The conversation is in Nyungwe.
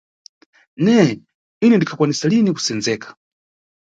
Neye, ine ndinikwanisa lini kusenzeka.